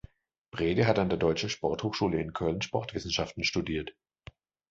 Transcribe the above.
Brede hat an der Deutschen Sporthochschule in Köln Sportwissenschaften studiert.